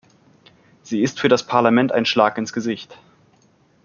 Sie ist für das Parlament ein Schlag ins Gesicht.